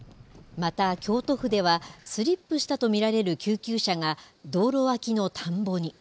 また京都府では、スリップしたと見られる救急車が道路脇の田んぼに。